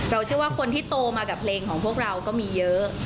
เชื่อว่าคนที่โตมากับเพลงของพวกเราก็มีเยอะ